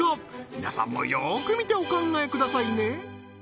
皆さんもよーく見てお考えくださいね